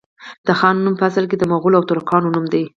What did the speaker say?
د خان نوم په اصل کي د مغولو او ترکانو نوم دی